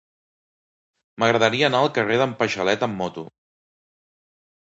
M'agradaria anar al carrer d'en Paixalet amb moto.